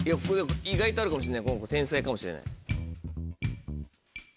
意外とあるかもしれないこの子天才かもしれない。